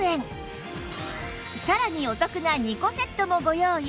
さらにお得な２個セットもご用意